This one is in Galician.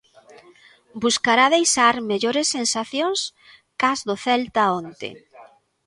Buscará deixar mellores sensacións cás do Celta onte.